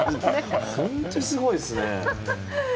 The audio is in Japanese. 本当にすごいですね。